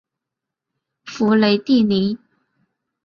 弗雷蒂尼。